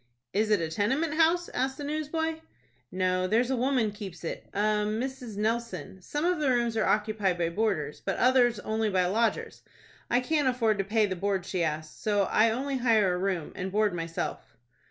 "Is it a tenement house?" asked the newsboy. "No, there's a woman keeps it,—a Mrs. Nelson. Some of the rooms are occupied by boarders, but others only by lodgers. I can't afford to pay the board she asks; so I only hire a room, and board my self."